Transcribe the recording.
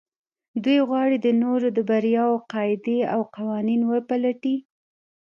دوی غواړي د نورو د برياوو قاعدې او قوانين وپلټي.